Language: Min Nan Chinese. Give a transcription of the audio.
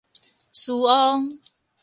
師翁